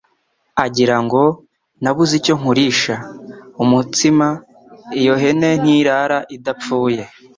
agira ngo: Nabuze icyo nkurisha (umutsima) iyo hene ntirara idapfuye